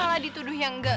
ini malah dituduh yang enggak